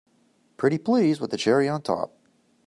Pretty please with a cherry on top!